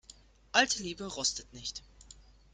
Alte Liebe rostet nicht.